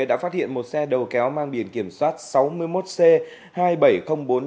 đã phát hiện một xe đầu kéo mang biển kiểm soát sáu mươi một c hai mươi bảy nghìn bốn mươi năm